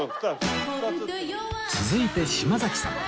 続いて島崎さん